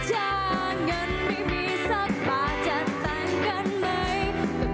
เธอยังไม่มีสักบาทจะแปลงเป็นไหม